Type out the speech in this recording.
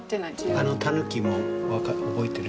あのタヌキも覚えてる？